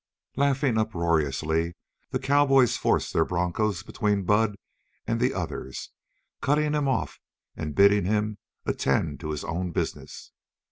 Laughing uproariously, the cowboys forced their bronchos between Bud and the others, cutting him off and bidding him attend to his own business.